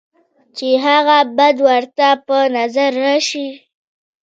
چې هغه بد ورته پۀ نظر راشي،